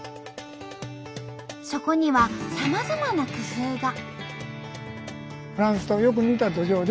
そこにはさまざまな工夫が。